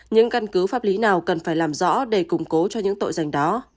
những căn cứ pháp lý nào cần phải làm rõ để củng cố cho những tội danh đó